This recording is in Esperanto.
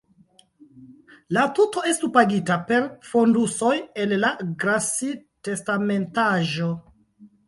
La tuto estu pagita per fondusoj el la Grassi-testamentaĵo.